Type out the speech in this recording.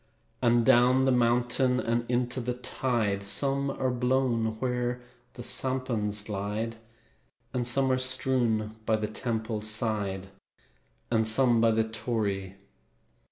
And down the mountain And into the tide, Some are blown where the sampans glide, And some are strewn by the temple's side, And some by the torii.